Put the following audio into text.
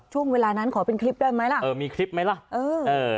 ช่วงเวลานั้นขอเป็นคลิปได้ไหมล่ะเออมีคลิปไหมล่ะเออเออ